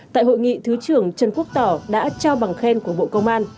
tại hội nghị thứ trưởng trần quốc tỏ đã trao bằng khen của bộ công an